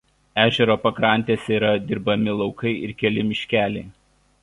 Ežero pakrantėse yra dirbami laukai ir keli miškeliai.